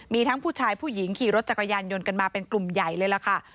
มีทั้งผู้ชายผู้หญิงขี่รถจักรยานยนต์กันมาเป็นกลุ่มใหญ่เลยล่ะค่ะ